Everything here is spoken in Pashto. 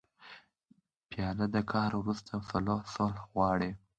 پیاله د قهر وروسته صلح غواړي.